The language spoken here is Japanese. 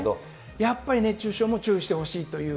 やっぱり熱中症も注意してほしいという。